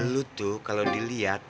lu tuh kalo diliat